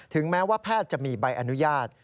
แม้ว่าแพทย์จะมีใบอนุญาต